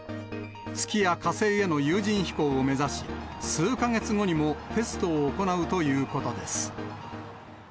月や火星への有人飛行を目指し、数か月後にもテストを行うということです。